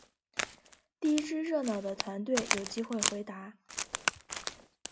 第一支热闹的团队有机会回答。